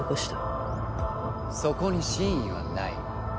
そこに真意はない。